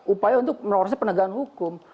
upaya untuk melakukan pertengahan hukum